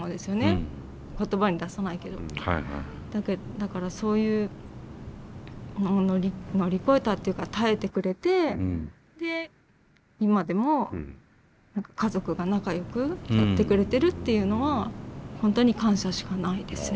だからそういう乗り越えたっていうか耐えてくれてで今でも家族が仲よくやってくれてるっていうのは本当に感謝しかないですね。